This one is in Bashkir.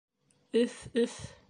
Өф, өф!